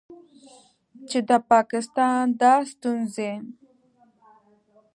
چې د پاکستان دا ستونځې